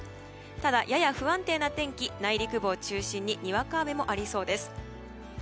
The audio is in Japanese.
ただ、やや不安定な天気内陸部を中心ににわか雨もありそうです。